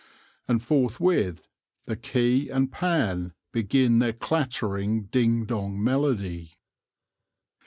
And forthwith the key and pan begin their clattering ding dong melody.